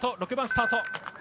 ６番スタート。